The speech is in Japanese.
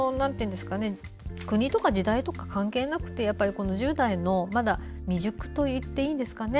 国とか時代とか関係なくて１０代のまだ未熟と言っていいですかね。